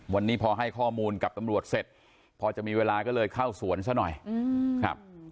วันนี้พอให้ข้อมูลกับตำรวจเสร็จพอจะมีเวลาก็เลยเข้าสวนซะหน่อยครับ